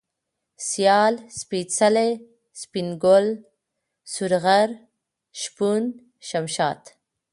سيال ، سپېڅلى ، سپين گل ، سورغر ، شپون ، شمشاد